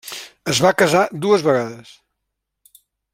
Es va casar dues vegades.